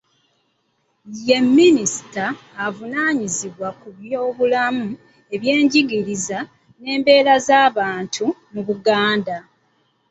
Ye mnisita avunaanyizibwa ku by'obulamu, ebyenjigiriza n'embeera z'abantu mu Buganda.